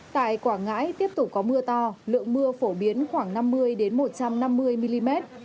tại quảng ngãi tiếp tục có mưa to lượng mưa phổ biến khoảng năm mươi một trăm năm mươi mm